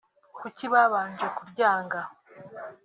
kuki babanje kuryanga